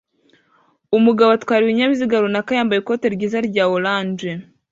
Umugabo atwara ibinyabiziga runaka yambaye ikoti ryiza rya orange